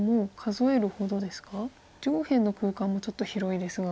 上辺の空間もちょっと広いですが。